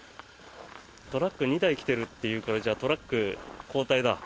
トラック２台来てるっていうからじゃあ、トラック交代だ。